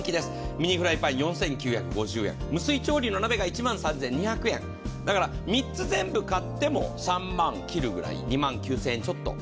ミニフライパン４９５０円、無水調理の鍋が１万３２００円、３つ全部買っても３万切るくらい、２万９０００円ちょっと。